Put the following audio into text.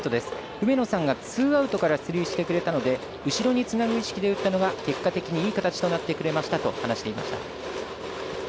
梅野さんがツーアウトから出塁してくれたので後ろにつなぐ意識で打ったのが結果的にいい形となってくれましたと話していました。